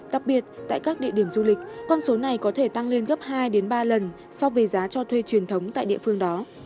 đặc biệt tại các địa điểm du lịch con số này có thể tăng lên gấp hai ba lần so với giá cho thuê truyền thống tại địa phương đó